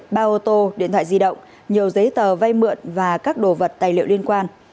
ba ô tô điện thoại di động nhiều giấy tờ vay mượn và các đồ vật tài liệu liên quan